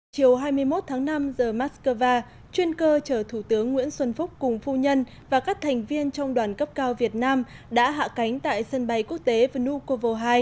chiều hai mươi một tháng năm giờ moscow chuyên cơ chở thủ tướng nguyễn xuân phúc cùng phu nhân và các thành viên trong đoàn cấp cao việt nam đã hạ cánh tại sân bay quốc tế vnukovo hai